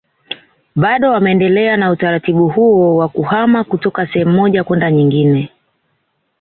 Bado wameendelea na utaratibu huo wa kuhama kutoka sehemu moja kwenda nyingine